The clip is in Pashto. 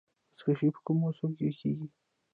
بزکشي په کوم موسم کې کیږي؟